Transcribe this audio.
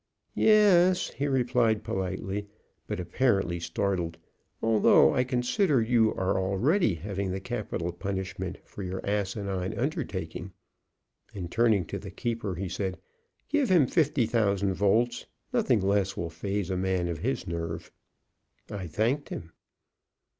"Ye e es," he replied politely, but apparently startled, "although I consider you are already having capital punishment for your asinine undertaking;" and turning to the keeper, he said, "Give him fifty thousand volts; nothing less will phase a man of his nerve." I thanked him.